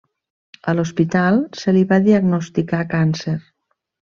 A l'hospital se li va diagnosticar càncer.